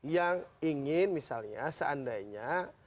yang ingin misalnya seandainya